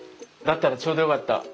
だったらちょうどよかった。